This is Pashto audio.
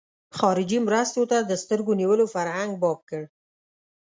خارجي مرستو ته د سترګو نیولو فرهنګ باب کړ.